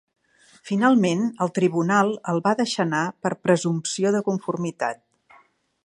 Finalment, el tribunal el va deixar anar per "presumpció de conformitat".